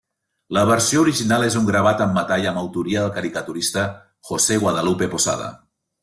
La versió original és un gravat en metall amb autoria del caricaturista José Guadalupe Posada.